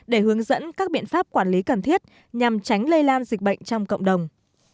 để hướng dẫn các biện pháp quản lý cần thiết nhằm tránh lây lan dịch bệnh trong cộng đồng